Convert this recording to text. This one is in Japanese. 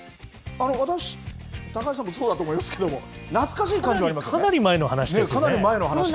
私、高橋さんもそうだと思いますけれども、懐かしい感じはありますね。